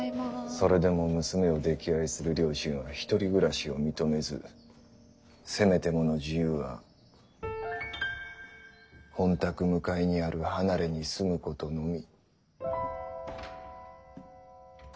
それでも娘を溺愛する両親はひとり暮らしを認めずせめてもの自由は本宅向かいにある離れに住むことのみ。